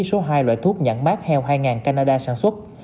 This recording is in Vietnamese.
số hai loại thuốc nhẵn mát heo hai nghìn canada sản xuất